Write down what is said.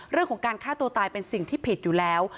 เรื่องของการฆ่าตัวตายเป็นสิ่งที่ผิดอยู่แล้ว